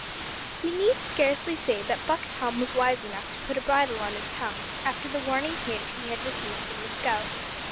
We need scarcely say that Buck Tom was wise enough to put a bridle on his tongue after the warning hint he had received from the scout.